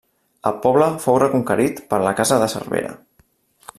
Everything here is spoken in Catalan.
El poble fou reconquerit per la casa de Cervera.